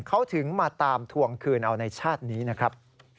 เขาถึงมาตามทวงคืนเอาในชาตินี้นะครับ